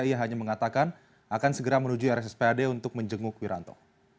ia hanya mengatakan akan segera menuju rspad untuk menjenguk wiranto